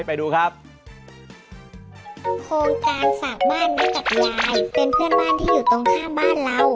ไปดูครับโครงการฝากบ้านไว้กับวายเป็นเพื่อนบ้านที่อยู่ตรงข้ามบ้านเรา